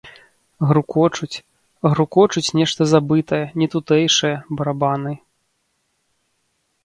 Грукочуць, грукочуць нешта забытае, нетутэйшае барабаны.